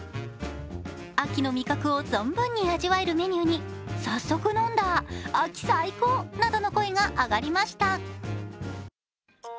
秋の味覚を存分に味わえるメニューに、早速飲んだ秋最高！などの声が上がりました。